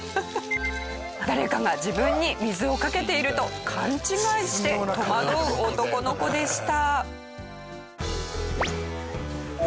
誰かが自分に水をかけていると勘違いして戸惑う男の子でした。